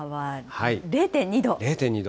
０．２度。